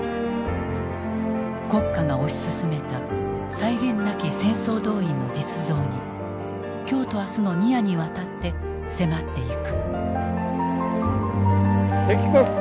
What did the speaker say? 国家が推し進めた際限なき戦争動員の実像に今日と明日の２夜にわたって迫っていく。